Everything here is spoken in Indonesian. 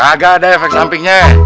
kagak ada efek sampingnya